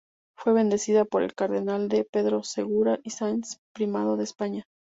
Fue bendecida por el Cardenal D. Pedro Segura y Sáenz, Primado de España.